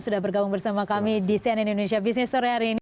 sudah bergabung bersama kami di cnn indonesia business sore hari ini